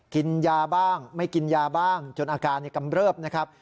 กินยาบ้างไม่กินยาบ้างจนอาการกำเริบนะครับ